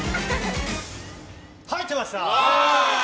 入ってました！